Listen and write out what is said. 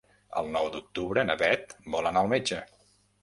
El nou d'octubre na Beth vol anar al metge.